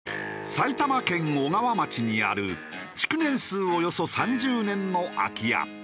埼玉県小川町にある築年数およそ３０年の空き家。